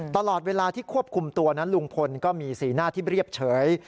ตลอดเวลาที่ควบคุมตัวนั้นลุงพลก็มีสีหน้าที่เรียบเฉย